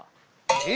え？